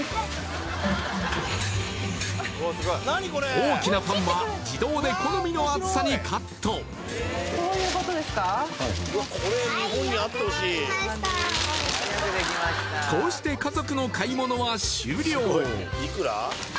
大きなパンは自動で好みの厚さにカットこういうことですかこうして家族の買い物は終了